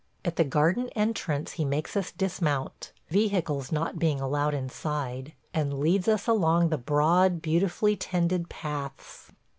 At the garden entrance he makes us dismount, vehicles not being allowed inside, and leads us along the broad, beautifully tended paths.